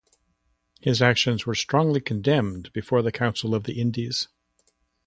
His actions were strongly condemned before the Council of the Indies.